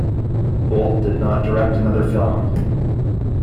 Bolt did not direct another film.